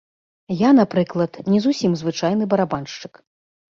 Я, напрыклад, не зусім звычайны барабаншчык.